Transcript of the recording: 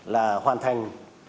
là hoàn thành